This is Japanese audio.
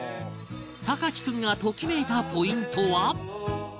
隆貴君がときめいたポイントは？